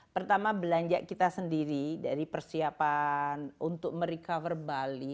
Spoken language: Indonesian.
pertama belanja kita sendiri dari persiapan untuk merecover bali